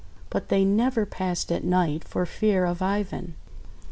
But they never passed at night, for fear of Ivan.